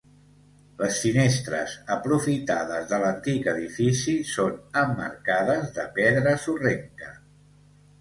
Les finestres, aprofitades de l’antic edifici, són emmarcades de pedra sorrenca.